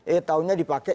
eh tahunnya dipakai